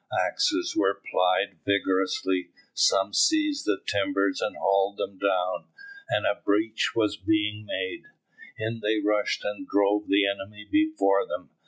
Axes were plied vigorously some seized the timbers and hauled them down, and a breach being made, in they rushed and drove the enemy before them.